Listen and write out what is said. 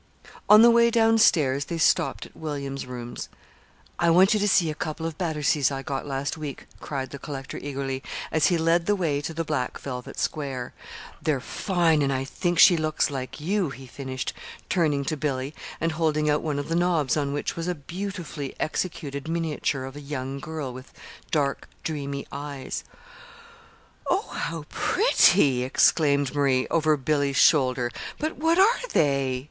On the way down stairs they stopped at William's rooms. "I want you to see a couple of Batterseas I got last week," cried the collector eagerly, as he led the way to the black velvet square. "They're fine and I think she looks like you," he finished, turning to Billy, and holding out one of the knobs, on which was a beautifully executed miniature of a young girl with dark, dreamy eyes. "Oh, how pretty!" exclaimed Marie, over Billy's shoulder. "But what are they?"